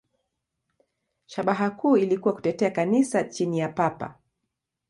Shabaha kuu ilikuwa kutetea Kanisa chini ya Papa.